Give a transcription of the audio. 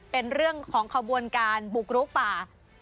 เป็นเรื่องของขบวนการบุกรุกป่า